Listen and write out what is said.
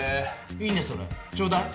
いいねそれちょうだい。